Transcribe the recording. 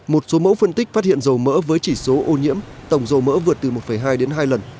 một số mẫu phân tích phát hiện dầu mỡ với chỉ số ô nhiễm tổng dầu mỡ vượt từ một hai đến hai lần